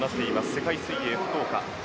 世界水泳福岡。